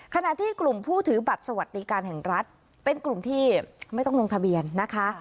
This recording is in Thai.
ขณะที่กลุ่มผู้ถือบัตรสวัสดิการแห่งรัฐเป็นกลุ่มที่ไม่ต้องลงทะเบียนนะคะ